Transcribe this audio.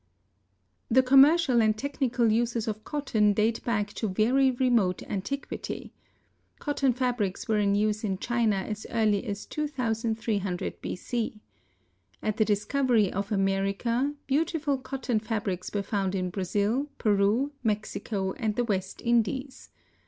The commercial and technical uses of cotton date back to very remote antiquity. Cotton fabrics were in use in China as early as 2300 B. C. At the discovery of America, beautiful cotton fabrics were found in Brazil, Peru, Mexico and the West Indies.